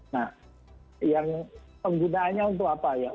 nah yang penggunaannya untuk apa ya